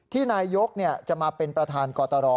นายกจะมาเป็นประธานกตร